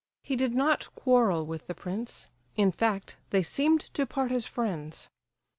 He did not quarrel with the prince—in fact, they seemed to part as friends.